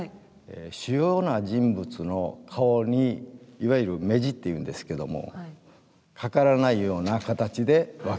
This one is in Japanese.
主要な人物の顔にいわゆる目地っていうんですけどもかからないような形で分けております。